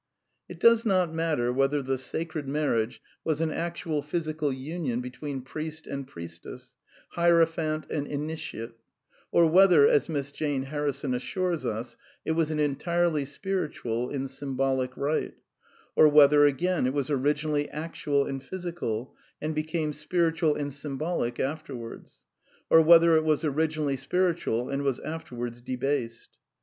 It does not matter whether the Sacred Marriage was an actual physical union between priest and priestess, hierophant and initiate; or whether, as Miss Jane Harrison assures us, it was an entirely spir itual and symbolic rite ; or whether, again, it was originally actual and physical, and became spiritual and symbolic afterwards ; or whether it was originally spiritual and was afterwards debased.